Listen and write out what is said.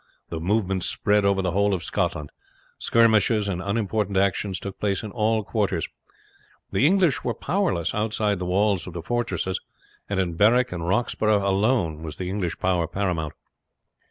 The movement spread over the whole of Scotland. Skirmishes and unimportant actions took place in all quarters. The English were powerless outside the walls of the fortresses, and in Berwick and Roxburgh alone was the English power paramount.